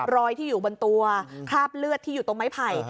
รอยที่อยู่บนตัวคราบเลือดที่อยู่ตรงไม้ไผ่